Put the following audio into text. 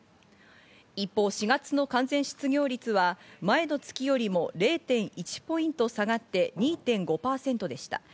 一方、４月の完全失業率は前の月よりも０．１ポイント下がって２．５％でした。